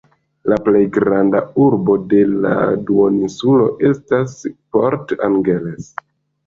La plej granda urbo de la duoninsulo estas Port Angeles.